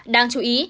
đáng chú ý